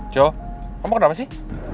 jo kamu kenapa sih